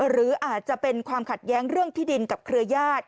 หรืออาจจะเป็นความขัดแย้งเรื่องที่ดินกับเครือญาติ